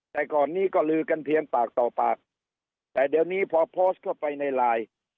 แต่ก่อนนี้ก็ลือกันเพียงปากต่อปากแต่เดี๋ยวนี้พอโพสต์เข้าไปในไลน์